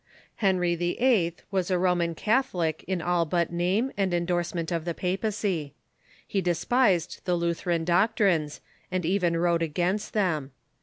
Henry VIII. was a Roman Catholic in all but name and endorsement of the papac}^ He despised the Lutheran doctrines, and even Avrote against them.